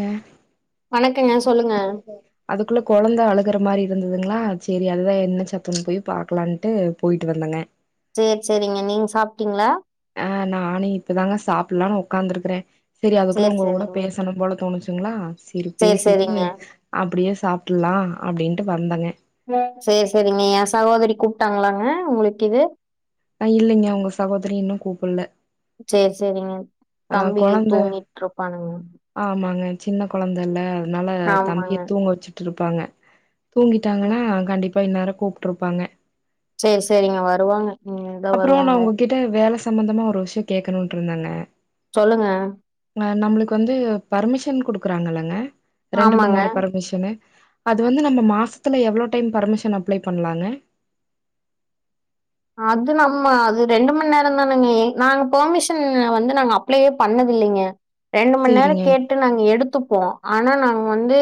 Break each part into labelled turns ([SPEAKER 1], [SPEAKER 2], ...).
[SPEAKER 1] அம்
[SPEAKER 2] வணக்கங்க சொல்லுங்க
[SPEAKER 1] அதுக்குள்ள குழந்த அழுகுற மாதிரி இருந்ததுங்களா சரி அதுதா என்ன சத்தன்னு பாக்கலான்னு போயி்ட்டு வந்தங்க
[SPEAKER 2] சேர் சேரிங்க நீங்க சாப்பிட்டீங்களா
[SPEAKER 1] ஆ நானு இப்பதாங்க சாப்பிடலான்னு உட்காந்துருக்கறே சரி அதுக்குள்ள
[SPEAKER 2] சேரி,
[SPEAKER 1] உங்க கூட
[SPEAKER 2] சேரிங்க.
[SPEAKER 1] பேசனு போல தோணுச்சுங்களா சரி
[SPEAKER 2] சேரி,
[SPEAKER 1] பேசிட்டு
[SPEAKER 2] சேரிங்க.
[SPEAKER 1] அப்டியே சாப்டர்லா அப்படின்ட்டு வந்தங்க
[SPEAKER 2] சேரி சேரிங்க எ சகோதரி கூப்பிட்டாங்களாங்க உங்களுக்கீது
[SPEAKER 1] அ இல்லைங்க உங்க சகோதரி இன்னு கூப்பட்ல
[SPEAKER 2] சேரி சேரிங்க தம்பி கீது
[SPEAKER 1] கொழந்த
[SPEAKER 2] தூங்கிட்டு இருப்பானுங்க
[SPEAKER 1] ஆமாங்க சின்ன குழந்தைல்ல அதனால தம்பிய
[SPEAKER 2] ஆமாங்க.
[SPEAKER 1] தூங்க வச்சுட்டு இருப்பாங்க
[SPEAKER 2] ம்.
[SPEAKER 1] தூங்கிட்டாங்கன்னா கண்டிப்பா இந்நேரோ கூப்ட்டுருப்பாங்க
[SPEAKER 2] சேரி சேரிங்க வருவாங்க இனிமேல்தா
[SPEAKER 1] அப்றோ நா
[SPEAKER 2] வருவாங்க.
[SPEAKER 1] உங்ககிட்ட வேலை சம்பந்தமா ஒரு விஷ்யோ கேக்கணுன்ட்டு இருந்தங்க
[SPEAKER 2] சொல்லுங்க
[SPEAKER 1] அ நம்மளுக்கு வந்து பர்மிஷன் கொடுக்குறாங்கல்லங்க ரெண்டு மணி
[SPEAKER 2] ஆமாங்க.
[SPEAKER 1] நேரோ பர்மிஷன் னு அது வந்து நம்ம மாசத்துல எவ்ளோ டைம் பர்மிஷன் அப்ளை பண்லாங்க
[SPEAKER 2] அது நம்ம அது ரெண்டு மணி நேர தானங்க எ நாங் பெர்மிஷன் வந்து நாங் அப்ளயே பண்ணதில்லைங்க ரெண்டு மணி நேரோ
[SPEAKER 1] சேரிங்க
[SPEAKER 2] கேட்டு நாங்க எடுத்துப்போ ஆனா நாங்க வந்து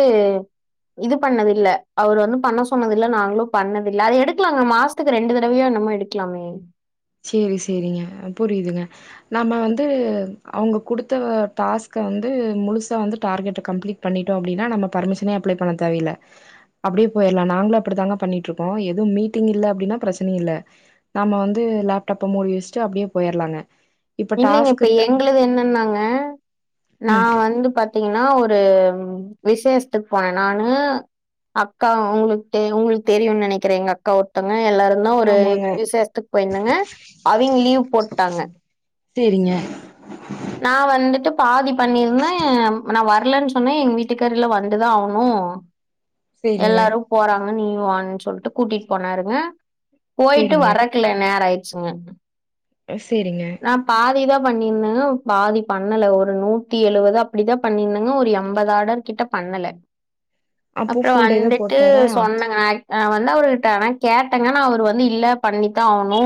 [SPEAKER 2] இது பண்ணது இல்ல அவரு வந்து பண்ண சொன்னது இல்ல நாங்களும் பண்ணது இல்லை அதை எடுக்கலாங்க மாசத்துக்கு ரெண்டு தடவையோ என்னமோ எடு க்கலாமே
[SPEAKER 1] சேரி சேரிங்க புரியுதுங்க நம்ம வந்து அவங்க கொடுத்த டாஸ்க்க வந்து முழுசா வந்து டார்கெட் கம்ப்ளீட் பண்ணிட்டோ அப்டின்னா நம்ம பர்மிஷனே அப்ளை பண்ண தேவயில்ல அப்டியே போயிடலா நாங்களு அப்டிதாங்க பண்ணிட்டு இருக்கோ எதுவும் மீட்டிங் இல்ல அப்டின்னா பிரச்சனை இல்ல நாம வந்து லேப்டாப்ப மூடி வச்சிட்டு அப்டியே போயிட்லாங்க
[SPEAKER 2] இல்லைங்க இப்ப எங்கள் து என்னன்னாங்க நா
[SPEAKER 1] ம்
[SPEAKER 2] வந்து பத் பாத்தீங்கன்னா ஒரு விசேஷத்துக் போனே நானு அக்கா உங்களுக்கு உங்களுக்கு தெரியும்னு நெனைக்கிறே எங்க அக்கா ஒருத்தங்க எல்லாருக் என்னன்னா ஒரு
[SPEAKER 1] ஆமாங்க
[SPEAKER 2] விசேஷத்துக்கு போயிருந்தங்க அவிங்க லீவ் போட்டாங்க
[SPEAKER 1] சேரிங்க
[SPEAKER 2] நா வந்துட்டு பாதி பண்ணிருந்த நா வரலன்ட்டு சொன்னே எங்க வீட்டுக்கார்ல்ல வந்துதா ஆகணு
[SPEAKER 1] சேரிங்க
[SPEAKER 2] எல்லாரும் போறாங்க நீயு வான்னு சொல்ட்டு கூட்டிட்டு போனாருங்க போயிட்டு
[SPEAKER 1] சேரிங்க
[SPEAKER 2] வரக்கில்ல நேரோ ஆயிடுச்சுங்க
[SPEAKER 1] சேரிங்க
[SPEAKER 2] நா பாதிதா பண்ணியிருந்தேங்க பாதி பண்ணல ஒரு நூத்தி எழுபது அப்டி தான் பண்ணியிருந்தேங்க ஒரு எம்பது ஆடர் கிட்ட பண்ணல
[SPEAKER 1] அப்போ
[SPEAKER 2] அப்றோ
[SPEAKER 1] ஃபுல் டேவே
[SPEAKER 2] வந்துட்டு
[SPEAKER 1] போட்டாரா
[SPEAKER 2] சொன்னங்க நா வந்து அவருகிட்ட ஆனா கேட்டங்க ஆனா அவரு வந்து இல்ல பண்ணித்தா ஆகணு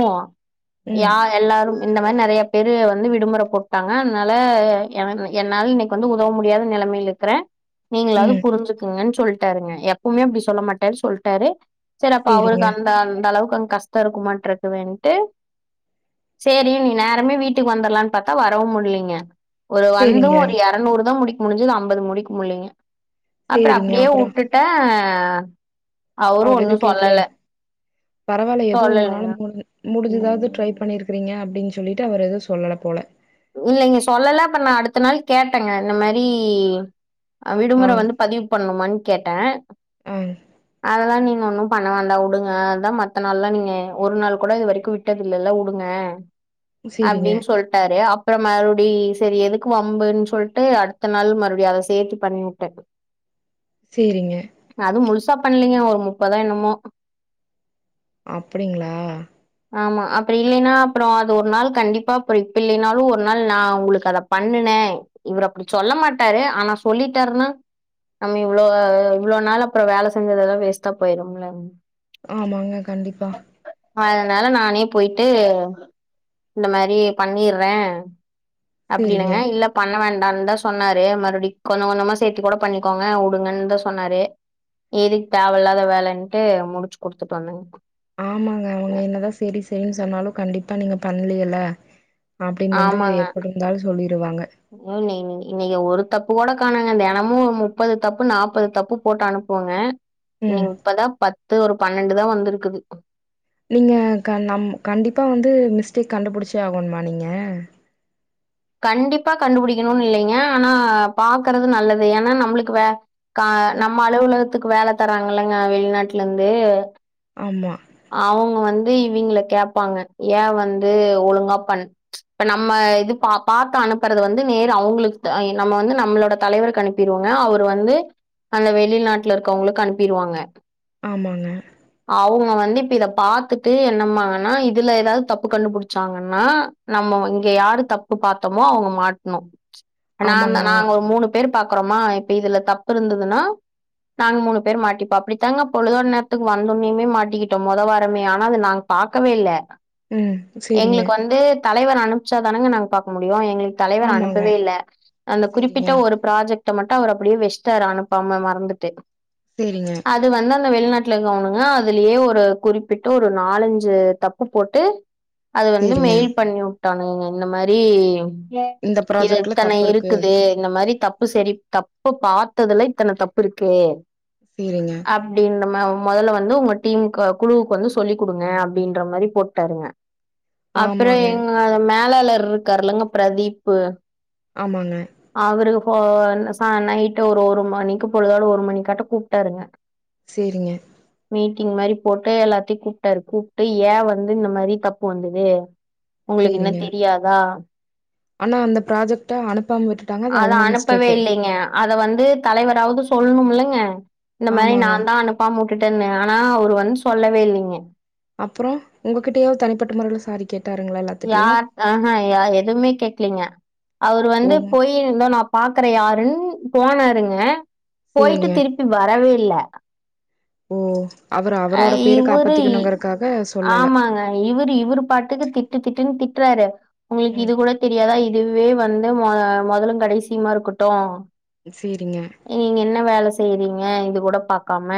[SPEAKER 1] ம்
[SPEAKER 2] யார் எல்லாரு இந்த மாதிரி நெறையா பேர் வந்து விடுமுறை போட்டாங்க அதனால என் என்னால இன்னைக்கு வந்து உதவ முடியாத நெலமையில இருக் கறேன் நீங்களாவது
[SPEAKER 1] ம்
[SPEAKER 2] புரிஞ்சுக்குங்கன் சொல்ட்டாருங்க எப்பவுமே அப்டி சொல்லமாட்டேன்னு சொல்ட்டாரு செரி அப்ப
[SPEAKER 1] சேரிங்க
[SPEAKER 2] அவருக்கு அந்த அளவு அந்த அளவுக்கு அங்க கஷ்டோ இருக்கமான்ட்டு இருக்குதுன்ட்டு சரின்னு நேரமே வீட்டுக்கு வந்துரலான்னு பாத்தா வரவும் முடில்லங்க ஒரு
[SPEAKER 1] சேரிங்க
[SPEAKER 2] வந்தும் ஒரு எறநூறுதா முடிக்க முடிஞ்சுது அம்பது முடிக்க முல்லைங்க அப்பற
[SPEAKER 1] சேரிங்க
[SPEAKER 2] அப்டியே
[SPEAKER 1] அப்புறோ
[SPEAKER 2] வுட்டுட்டே
[SPEAKER 1] அவர் எதும் கேக்கலையா பரவால்ல எதோ
[SPEAKER 2] சொல்லலைங்க
[SPEAKER 1] உங்களால முடிஞ் முடிஞ்சதாவது ட்ரை பண்ணிருக்கிறீங்க அப்டின்னு சொல்லிட்டு அவர் எதுவும் சொல்லல போல
[SPEAKER 2] இல்லைங்க சொல்லல அப்ப நா அடுத்த நாள் கேட்டேங்க இந்த மாரி
[SPEAKER 1] ஆ
[SPEAKER 2] விடுமுற வந்து பதிவு பண்ணுமானு கேட்டே
[SPEAKER 1] ஆ
[SPEAKER 2] அதெல்லா நீங்க ஒன்னும் பண்ண வேண்டா உடுங்க அதா மத்த நாள்ல்லா நீங்க ஒருநாள் கூட இதுவரைக்கும் விட் ட்டதுல்லல உடுங்க
[SPEAKER 1] சேரிங்க
[SPEAKER 2] அப்டின்னு சொல்ட்டாரு அப் பறோ மறுபடி சரி எதுக்கு வம்புன்னு சொல்லிட்டு அடுத்தநாள் மறுபடியு அத சேத்து பண்ணிவுட்டே [inaudible]
[SPEAKER 1] சேரிங்க
[SPEAKER 2] அதும் முழுசா பண்லீங்க ஒரு முப்பதோ என்னமோ
[SPEAKER 1] அப்டிங்களா
[SPEAKER 2] ஆமா அப்றோ இல்லைன்னா அப்பறோ அது ஒருநாள் கண்டிப்பா போய் இப்ப இல்லைனாலும் ஒரு ஒருநாள் நா உங்களுக்கு அத பண்ணுனே இவரு அப்டி சொல்ல மாட்டாரு ஆனா சொல்லிட்டாருன்னா நம்ம இவ்ளோ இவ்ளோ நாள் அப்றோ வேல செஞ்சதெல்லா வேஸ்ட்டா போயிரும்ல
[SPEAKER 1] ஆமாங்க கண்டிப்பா
[SPEAKER 2] அதனால நானே போயிட்டு இந்த மாரி பண்ணிற்றே அப்டி
[SPEAKER 1] சேரிங்க
[SPEAKER 2] இல்லங்க இல்ல பண்ண வேண்டான்னுதா சொன்னாரு மறுபடியு கொஞ்ச கொஞ்சமா சேத்தி கூட பண்ணிக்கோங்க உடுங்கன்னு தா சொன்னாரு எதுக்கு தேவ இல்லாத வேலன்ட்டு முடுச்சு குடுத்துட்டு வந்தேங்க
[SPEAKER 1] ஆமாங்க அவங்க என்னதா சேரி சேரின்னு சொன்னாலும் கண்டிப்பா நீங்க பண்லயல்ல அப்டின்னு வந்து எப்டி இருந்தாலும் சொல்லிடுவாங்க
[SPEAKER 2] இ இன்னைக்கு ஒரு தப்பு கூட காணோங்க தெனமோ முப்பது தப்பு நாப்பது தப்பு போட்டு அனுப்பு ப்போங்க இனி
[SPEAKER 1] ம்
[SPEAKER 2] இப்பதா பத்து ஒரு பன்னெண்டுதா வந்திருக்குது
[SPEAKER 1] நீங்க நம் கண்டிப்பா வந்து மிஸ்டேக் கண்டுபிடிச்சே ஆகோணுமா நீங்க
[SPEAKER 2] கண்டிப்பா கண்டுபுடிக்கணுன்னு இல்லைங்க ஆனா பாக்குறது நல்லது ஏன்னா நம்முளுக்கு வே கா நம்ம அலுவலகத்துக்கு வேல தர்றாங்கல்லங்க வெளிநாட்லருந்து
[SPEAKER 1] ஆமா
[SPEAKER 2] அவங்க வந்து இவிங்கல கேப்பாங்க ஏ வந்து ஒழுங்கா பண்ண இப்ப நம்ம இது பா பாத்து அனுப்பறது வந்து நேரு அவங்களுக்கு நம்ம வந்து நம்மளோட தலைவர்க்கு அனுப்ப அனுப்பிருவோங்க அவர் வந்து அந்த வெளிநாட்டுல இருக்கறவங்களுக்கு அனுப்பிருவாங்க
[SPEAKER 1] ஆமாங்க
[SPEAKER 2] அவங்க வந்து து இப்ப இத பாத்துட்டு என்னம்மாங்கன்னா இதுல ஏதாவது தப்பு கண்டுபுடிச்சாங்கன்னா நம்ம இங்க யாரு தப்பு பாத்தோமோ அவங்க மாட்னோ நா
[SPEAKER 1] ஆமாங்க
[SPEAKER 2] நாங்க ஒரு மூணு பேர் பாக்குறோமா இப்ப இதுல தப்பு இருந்ததுன்னா நாங்க மூணு பேர் மாட்டிப்போ அப்படித்தாங்க பொழுதுதோ நேத்துக்கு வந்தோன்னியுமே மாட்டிக்கிட் ட்டோ மொத வாரமே ஆனா அது நாங்க பாக்கவே இல்ல
[SPEAKER 1] ம் சேரிங்க
[SPEAKER 2] எங்களுக்கு வந்து தலைவர் அனுப்ச்சா தானங்க நாங்க பாக்க முடியும் எங்களுக்கு தலைவர்
[SPEAKER 1] ஆமாங்க
[SPEAKER 2] அனுப்பவே இல்ல அந்த
[SPEAKER 1] சேரிங்க
[SPEAKER 2] குறிப்பிட்ட ஒரு ப்ராஜெக்ட்ட மட்டும் அவர் அப்படியே வெச்ட்டாரு அனுப்பாம மறந்துட்டு
[SPEAKER 1] சேரிங்க
[SPEAKER 2] அது வந்து அந்த வெளிநாட் ட்ல இருக்கவுனுங்க அதுலயே ஒரு குறிப்பிட்டு ஒரு நாலஞ்சு தப்பு போட்டு அத வந்து
[SPEAKER 1] சேரிங்க
[SPEAKER 2] மெயில் பண்ணி உட்டானுங்க இந்த மாரி
[SPEAKER 1] இந்த
[SPEAKER 2] இது
[SPEAKER 1] ப்ராஜெக்ட்ல
[SPEAKER 2] இத்தன
[SPEAKER 1] தப்பு இருக்கு
[SPEAKER 2] இருக்குது இந்த மாரி தப்பு சரி தப்ப பாத்ததுல இத்தன தப்பு இருக்கு
[SPEAKER 1] சேரிங்க
[SPEAKER 2] அப்டின்ற மா மொதல்ல வந்து உங்க டீம் கொ குழுவுக்கு வந்து சொல்லிக் கொடுங்க அப்டின்ற மாரி போட்டாருங்க அப்பறம்
[SPEAKER 1] ஆமாங்க
[SPEAKER 2] எங்க அ மேலாளர் இருக்கார்லங்க பிரதீப்பு
[SPEAKER 1] ஆமாங்க
[SPEAKER 2] அவரு போ சா நைட்டு ஒரு ஒரு மணிக்கு பொழுதோட ஒரு மணி காட்ட கூப்ட்டாருங்க
[SPEAKER 1] சேரிங்க
[SPEAKER 2] மீட்டிங் மாரி போட்டு எல்லாத்தையும் கூப்ட்டாரு கூப்ட்டு ஏன் வந்து இந்த மாரி தப்பு வந்தது உங்களுக்கு என்ன
[SPEAKER 1] சேரிங்க
[SPEAKER 2] தெரியாதா
[SPEAKER 1] ஆனா அந்த ப்ராஜெக்ட அனுப்பாம விட்
[SPEAKER 2] அத அனுப்பவே இல்லைங்க அத வந்து தலைவராவது சொல்ணும்மில்லங்க இந்த மாரி
[SPEAKER 1] ஆமாங்க
[SPEAKER 2] நான் தான் அனுப் ப்பாம உட்டுட்டேன்னு ஆனா அவரு வந்து சொல்லவே இல்லைங்க
[SPEAKER 1] அப்பறோ உங்ககிட்டயாவது தனிப்பட்ட முறைல சாரி கேட்
[SPEAKER 2] யார் ஆ ஹ ய எதுமே கேக்கலீங்க அவர்
[SPEAKER 1] ஓ
[SPEAKER 2] வந்து போய் இருங்க நான் பாக்குற யாருன் போனாருங்க போய்ட்டு
[SPEAKER 1] சேரிங்க
[SPEAKER 2] திருப்பி வரவே இல்ல
[SPEAKER 1] ஓ அவரு
[SPEAKER 2] அ
[SPEAKER 1] அவரோட பேரு காப்பத்திக்கணுங்கறக்காக சொல்லல
[SPEAKER 2] இவுரு இவுரு பாட்டுக்கு திட்டு திட்டுன்னு திட்றாரு உங்களுக்கு
[SPEAKER 1] ம்
[SPEAKER 2] இது கூட தெரியாதா இதுவே வந்து மொ மொதலும் கடைசியுமா இருக்கட்டும்
[SPEAKER 1] சேரிங்க
[SPEAKER 2] நீங்க இங்க என்ன வேல செய்றீங்க இது கூட பாக்காம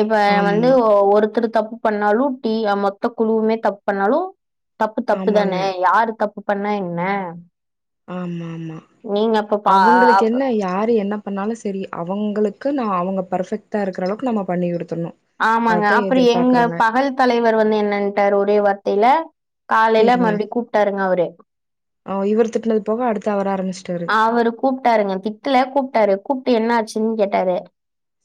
[SPEAKER 2] இப்ப வந்து
[SPEAKER 1] ஆமா
[SPEAKER 2] ஒருத்தரு தப்பு பண்ணாலும் டீ மொத்த குழுவுமே தப்பு பண்ணாலும் தப்பு தப்பு
[SPEAKER 1] ஆமாங்க
[SPEAKER 2] தானே யாரு தப்பு பண்ணா என்ன
[SPEAKER 1] ம் ம் ம்
[SPEAKER 2] நீங்க அப்ப பா
[SPEAKER 1] அவங்களுக்கு
[SPEAKER 2] அப்
[SPEAKER 1] என்ன யாரு என்ன பண்ணாலும் சேரி அவங்களுக்கு நா அவங்க பர்ஃபெக்ட்டா இருக்கிற அளவுக்கு நம்ம பண்ணி குடுத்துரணும்
[SPEAKER 2] ஆமாங்க அப்டி எங்க பகல் தலைவர் வந்து என்னன்ட்டாரு ஒரே வார்த்தைல காலைல
[SPEAKER 1] சேரிங்க
[SPEAKER 2] மறுபடியும் கூப்ட்டாருங்க அவரு
[SPEAKER 1] அ இவர் திட்னது போக அடுத்து அவர் ஆரம்பிச்சுட்டாரு
[SPEAKER 2] அவரு கூப்ட்டாருங்க திட்டல கூப்ட்டாரு கூப்ட்டு என்ன ஆச்சுன்னு கேட்டாரு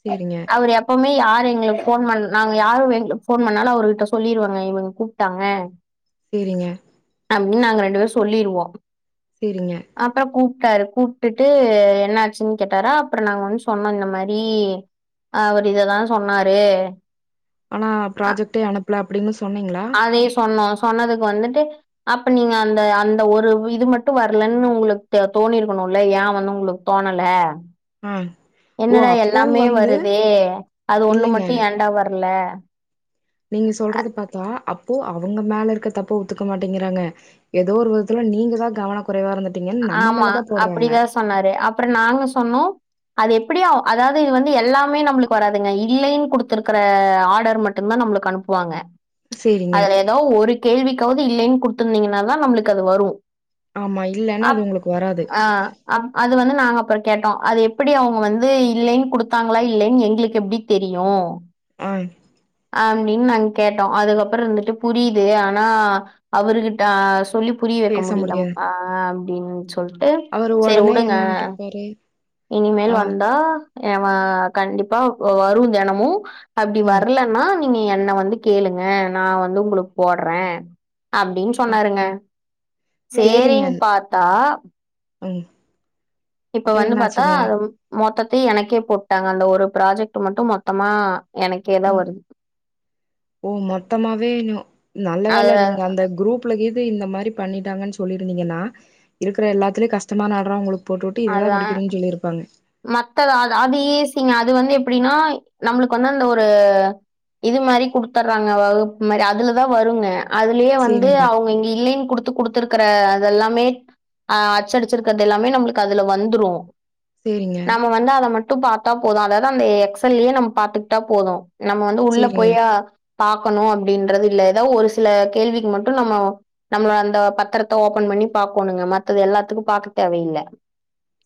[SPEAKER 1] சேரிங்க
[SPEAKER 2] அவரு எப்பவுமே யாரு எங்கள ஃபோன் பண் நாங்க யாரு எங்களுக்கு ஃபோன் பண்ணாலும் அவர்கிட்ட சொல்லிருவங்க இவங்க கூப்ட்டாங்க
[SPEAKER 1] சேரிங்க
[SPEAKER 2] அப்டின்னு நாங்க ரெண்டு பேரும் சொல்லிருவோம்
[SPEAKER 1] சேரிங்க
[SPEAKER 2] அப்பரம் கூப்ட்டாரு கூப்ட்டுட்டு என்ன ஆச்சுன்னு கேட்டாரா அப்பறம் நா வந்து சொன்ன இந்த மாரி அவரு இததான் சொன்னாரு
[SPEAKER 1] ஆனா
[SPEAKER 2] அ
[SPEAKER 1] ப்ராஜெக்டே அனுப்பல அப்டின்னு சொன்னீங்களா
[SPEAKER 2] அதே சொன்னோம் சொன்னதுக்கு வந்துட்டு அப்ப நீங்க அந்த அந்த ஒரு இது மட்டும் வரலன்னு உங்களுக்கு தோணி இருக்கணும்ல ஏன் வந்து உங்களுக்கு தோணல
[SPEAKER 1] ம்
[SPEAKER 2] என்னடா எல்லாமே வருதே அது ஒண்ணு
[SPEAKER 1] இல்லைங்க
[SPEAKER 2] மட்டும் ஏண்டா வர்ல
[SPEAKER 1] நீங்க சொல்றது பாத்தா அப்போ அவங்க மேல இருக்க தப்ப ஒத்துக்க மாட்டேங்கிறாங்க ஏதோ ஒரு விதத்துல நீங்க தான் கவன குறைவா இருந்தட்டீங்கன்னு நம்ம
[SPEAKER 2] ஆமா.
[SPEAKER 1] மேலதான் போடுறாங்க
[SPEAKER 2] அப்படிதான் சொன்னாரு அப்றோ நாங்க சொன்னோ அது எப்புடியு அதாவ்து இது வந்து எல்லாமே நம்ளுக்கு வராதுங்க இல்லைன் குடுத்துருக்கற ஆடரு மட் டும் தா நம்ளுக்கு அனுப்புவாங்க
[SPEAKER 1] சேரிங்க
[SPEAKER 2] அதுல எதாவ் ஒரு கேள்விக்காவது இல்லைன் குடுத்துருந்திங்கன்னா தா நம்ளுக்கு அது வரும்
[SPEAKER 1] ஆமா இ
[SPEAKER 2] அப் ஆ அ அது வந்து நாங்க அப்பறோ கேட்டோ அது எப்டி அவுங்க வந்து இல்லைன் குடுத்தாங்களா இல்லைன் எங்ளுக்கு எப்டித் தெரியு
[SPEAKER 1] ஆ
[SPEAKER 2] அப்டின் நாங் கேட்டோ அதுக்கப்பற இருந்துட்டு புரியுது ஆனா அவருகிட்ட சொல்லி புரிய வெக்க
[SPEAKER 1] பேச
[SPEAKER 2] முடில
[SPEAKER 1] முடியாது
[SPEAKER 2] ஆ அப்டின் சொல்ட்டு
[SPEAKER 1] அவரு
[SPEAKER 2] செரி
[SPEAKER 1] ஒடனே
[SPEAKER 2] உடுங்க
[SPEAKER 1] என்னன்ருப்பாரு
[SPEAKER 2] இனிமேல்
[SPEAKER 1] ஆ
[SPEAKER 2] வந்தா எ வ
[SPEAKER 1] ம்
[SPEAKER 2] கண்டிப்பா வரும் தெனமு அப்டி வர்
[SPEAKER 1] ம்
[SPEAKER 2] இல்லன்னா நீங்க என்ன வந்து கேளுங்க நா வந்து உங்ளுக்கு போட்ற அப்டின்
[SPEAKER 1] ஆ.
[SPEAKER 2] சொன்னாருங்க
[SPEAKER 1] சேரிங்க
[SPEAKER 2] சேரின் பாத்தா
[SPEAKER 1] ம்
[SPEAKER 2] இப்ப
[SPEAKER 1] அப்றோ
[SPEAKER 2] வந்து பாத்தா
[SPEAKER 1] என்னாச்சுங்க
[SPEAKER 2] அத மொத்தத்தயு எனக்கே போட்டாங்க அந்த ஒரு ப்ராஜெக்ட்டு மட்டு மொத்தமா எனக்கே
[SPEAKER 1] ஒ
[SPEAKER 2] தான் வருது.
[SPEAKER 1] ஓ மொத்தமாவே நி நல்ல
[SPEAKER 2] அது
[SPEAKER 1] வேல நீங்க அந்த குரூப் ஃபுல்லக் இது இந்த மாரி பண்ணிட்டாங்கன் சொல்லிருந்திங்கன்னா இருக்குற எல்லாத்திலயு கஷ்டமான ஆடற உங்குளுக் போட்டுஉட்டு இதுதா முடிக்கணுன் சொல்லிருப்பாங்க
[SPEAKER 2] மத்தளோ அ அது ஈசிங்க அது வந்து எப்டினா நம்ளுக்கு வந்து அந்த ஒரு இது மாரி குடுத்தர்றாங்க வகுப்மாரி அதுலதா வருங்க அதுலியே வந்து
[SPEAKER 1] சரிங்க,
[SPEAKER 2] அவுங்க இங்க இல்லேன் குடுத் த்து குடுத்துருக்கற அதெல்லாமே அ அச்சடிச்சிர்க்கர்து எல்லாமே நம்ளுக்கு அதுல வந்துரு
[SPEAKER 1] சேரிங்க
[SPEAKER 2] வந்து அத மட்டு பாத்தா போதும் அதாவது அந்த எக்ஸல்லயே நம்ப பாத்துக்ட்டா போதும் நம்ம வந்து உள்ள
[SPEAKER 1] சரிங்க,
[SPEAKER 2] போயி ஆ பாக்கணு அப்டின்றது இல்ல எதாவ் ஒரு சில கேள்விக்கு மட்டு நம்மோ நம்ளோ அந்த பத்தரத்த ஓப்பன் பண்ணி பாக்கோணுங்க மத்தது எல்லாத்துக்கு பாக்க தேவயில்ல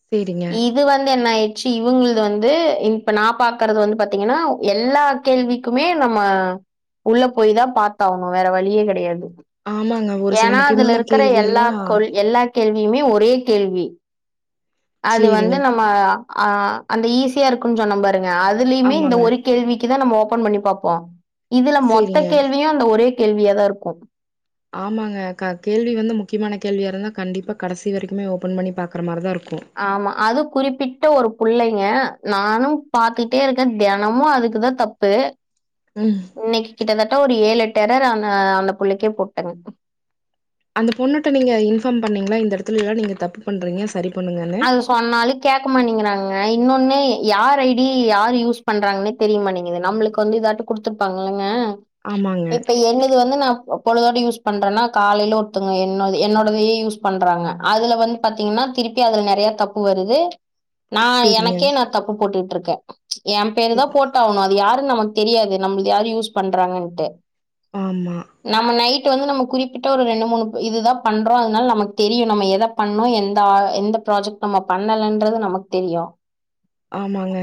[SPEAKER 1] சேரிங்க
[SPEAKER 2] இது வந்து என்ன ஆயிட்ச்சி இவுங்குள்து வந்து இப்ப நா பாக்கறது வந்து பாத்திங்கனா எல்லா கேள்விக்குமே நம்ம உள்ள போய் தா பாத்தாவணு வேற வழியே கெடயாது
[SPEAKER 1] ஆமாங்க. ஒரு சில
[SPEAKER 2] ஏனா அதுல
[SPEAKER 1] முக்கியமான
[SPEAKER 2] இருக்குற
[SPEAKER 1] கேள்வி எல்லாம்
[SPEAKER 2] எல்லாக் கொல் எல்லா கேள்வியுமே ஒரே கேள்வி அது வந்து
[SPEAKER 1] சரிங்க.
[SPEAKER 2] நம்ம அ அந்த ஈஸியா இருக்குன் சொன்ன பாருங்க அதுலயுமே இந்த
[SPEAKER 1] ஆமாங்க.
[SPEAKER 2] ஒருக் கேள்விக்கி தா நம்ம ஓபன் பண்ணி பாப்போ இதுல மொத்த
[SPEAKER 1] சரிங்க.
[SPEAKER 2] கேள்வியு அந்த ஒரே கேள்வியாதாருக்கும்
[SPEAKER 1] ஆமாங்க க கேள்வி வந்து முக்கியமான கேள்வியா இருந்தா கண்டிப்பா கடைசி வரைக்குமே ஓப்பன் பண்ணி பாக்கற மாரி தாருக்கோ
[SPEAKER 2] ஆமா அதும் குறிப்பிட்ட ஒரு புள்ளைங்க நானும் பாத்துட்டேருக்க தெனமு அதுக்கு தா தப்பு
[SPEAKER 1] ம்
[SPEAKER 2] இன்னைக் கிட்டத்தட்ட ஒரு ஏழு எட்டு எரர அந்த புள்ளைக்கே போட்டங்க
[SPEAKER 1] அந்த பொண்ணுட்ட நீங்க இன்ஃபார்ம் பண்ணிங்ளா இந்த எடத்துலல்லா நீங்க தப்பு பண்றிங்க சரி பண்ணுங்கன்னு
[SPEAKER 2] சொன்னாலு கேட்க மாட்டங்கிறாங்க இன்னொன்னு யார் ஐ டி யார் யூஸ் பண்றாங்னே தெரியமாட்டேங்குது நம்ளுக்கு வந்து இதாட்ட குடுத்துருப்பாங்கங்க
[SPEAKER 1] ஆமாங்க.
[SPEAKER 2] இப்ப என்னது வந்து நா பொழுதோட யூஸ் பண்றன்னா காலைல ஒருத்தங்க என்னோடது என்னோடதயே யூஸ் பண்றாங்க அதுல வந் பாத்திங்கன்னா திருப் பி அதுல நெறய தப்பு வருது நா
[SPEAKER 1] சரிங்க.
[SPEAKER 2] எனக்கே நா தப்பு போட்டுகிட்ருக்க என் பேரு தா போட்டாவணு அது யாருன் நமக் தெரியாது நம்முள்து யாரு யூஸ் பண்றாங்கன்ட்டு
[SPEAKER 1] ஆமா
[SPEAKER 2] நம்ம நைட்டு வந்து நம்ம குறிப்பிட்ட ஒரு ரெண்டு மூணு இதுதா பண்றோ அத்னால நமக் தெரியு நம்ம எதப் பண்ணோ எந்த ஆ எந்த ப்ராஜெக்ட் நம்ம பண்ணலன்றது நமக்கு தெரியு
[SPEAKER 1] ஆமாங்க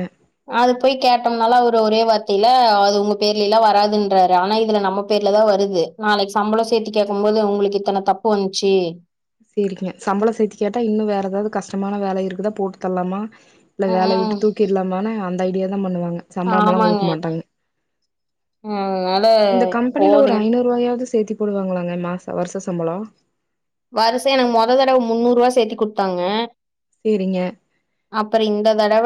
[SPEAKER 2] அது போய் கேட்டோம்னாலு அவரு ஒரே வார்த்தைல அது உங்க பேர்லியலா வராதுன்றாரு ஆனா இதுல நம்ம பேர்ல தா வருது நாளைக்கு சம்பள சேத்தி கேக்கு போது உங்களுக்கு இத்தன தப்பு வந்ச்சு
[SPEAKER 1] சேரிங்க சம்பளோ சேத்தி கேட்டா இன்னு வேற எதாது கஷ்டமான வேல இருக்குதா போட்டு தர்லாமா இல்ல
[SPEAKER 2] ம்
[SPEAKER 1] வேலயவுட்டு தூக்கிரலாமானு அந்த ஐடியா தா பண்ணுவாங்க சம்பளமலா
[SPEAKER 2] ஆமாங்க
[SPEAKER 1] குடுக்க மாட்டாங்க
[SPEAKER 2] அதனால
[SPEAKER 1] இந்த கம்பெனில ஒரு
[SPEAKER 2] போதுங்க
[SPEAKER 1] ஐநூறுவாயாது சேத்தி போடுவாங்களாங்க மாசோ வருச சம்பளோ
[SPEAKER 2] வருசோ எனக்கு மொததடவ முந்நூரூவா சேத்தி குடுத்தாங்க
[SPEAKER 1] சேரிங்க
[SPEAKER 2] அப்புறோ இந்த தடவ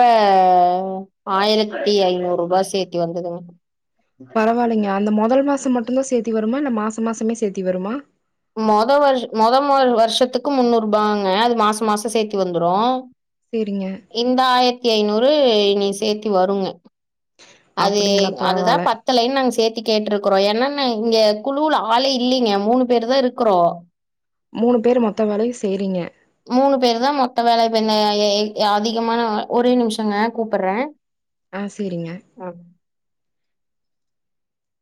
[SPEAKER 2] ஆயிரத்தி ஐந்நூரூபா சேத்தி வந்ததுங்க
[SPEAKER 1] பரவாயில்லைங்க அந்த மொதல் மாசோ மட்டுந்தா சேத்தி வருமா இல்ல மாச மாசமே சேத்தி வருமா
[SPEAKER 2] மொத வருஷ் மொத ம வருஷத்துக்கு முன்னூரூபாங்க அது மாச மாசோ சேத்தி வந்துரு
[SPEAKER 1] சேரிங்க
[SPEAKER 2] இந்த ஆயிரத்தி ஐநூறு இனி சேத்தி வருங்க அது
[SPEAKER 1] அப்டிங்களா
[SPEAKER 2] அதுதா
[SPEAKER 1] பரவால்ல
[SPEAKER 2] பத் தலனு நாங்க சேத்தி கேட்ருக்குறோ ஏன்னா நாங் இங்க குழுல ஆளே இல்லைங்க மூணு பேரு தா இருக்குறோ
[SPEAKER 1] மூணு பேரு மொத்த வேலையு செய்றீங்க
[SPEAKER 2] மூணு பேரு தா மொத்த வேலை இப்ப என்ன அதிகமான ஒரே நிமிஷோங்க கூப்பறே
[SPEAKER 1] ஆ சேரிங்க
[SPEAKER 2] ஓ